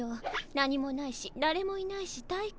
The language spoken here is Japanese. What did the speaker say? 何もないしだれもいないし退屈。